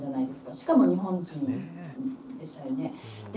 しかも日本人でしたよね。